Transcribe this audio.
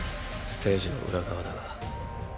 ステージの裏側だが。